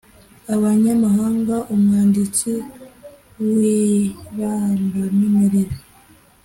abanyamahanga umwanditsi w irangamimerere